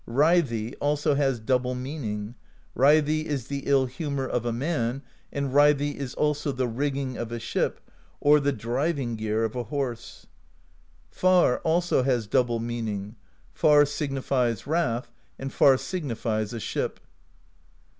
Reidi^ also has double meaning: reidi^ is the ill humor of a man, and reidi^ is also the rigging of a ship or the driving gear of a horse. Far also has double meaning: far"^ signifies wrath, andy^r^ signifies a ship.